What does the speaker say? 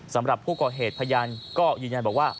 สำหรับผู้ก่อเหตุพยานก็ยืนยันบอกว่า